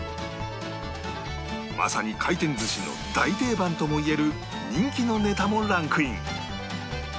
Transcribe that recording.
まさに回転寿司の大定番ともいえる人気のネタもランクイン